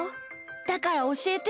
だからおしえて。